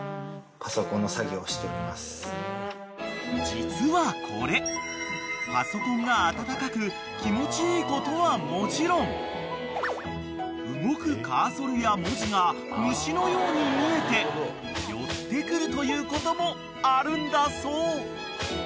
［実はこれパソコンが温かく気持ちいいことはもちろん動くカーソルや文字が虫のように見えて寄ってくるということもあるんだそう］